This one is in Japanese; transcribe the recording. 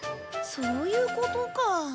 そういうことか。